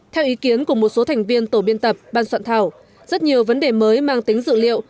theo ý kiến của một số thành viên tổ biên tập ban soạn thảo rất nhiều vấn đề mới mang tính dự liệu